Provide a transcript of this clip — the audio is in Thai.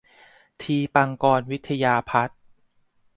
ทีปังกรวิทยาพัฒน์